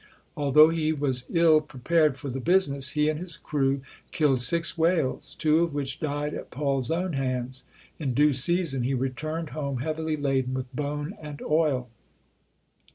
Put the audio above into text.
Although he was ill pre pared for the business, he and his crew killed six whales; two of which died at Paul's own hands. In due season he returned home heavily laden with bone and oil.